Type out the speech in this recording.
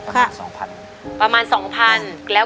ขอบคุณครับ